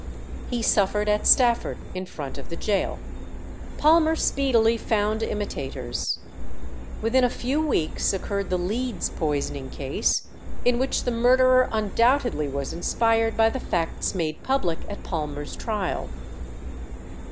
He suffered at Stafford in front of the gaol. Palmer speedily found imitators. Within a few weeks occurred the Leeds poisoning case, in which the murderer undoubtedly was inspired by the facts made public at Palmer's trial.